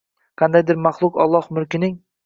Qandaydir bir maxluq Alloh mulkining